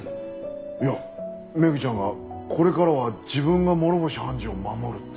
いやメグちゃんがこれからは自分が諸星判事を守るって。